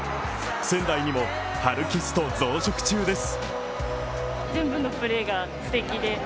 仙台にもハルキスト増殖中です。